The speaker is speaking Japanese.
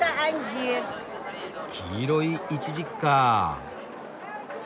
黄色いイチジクかあ。